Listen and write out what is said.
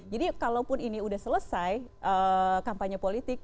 kalaupun ini sudah selesai kampanye politik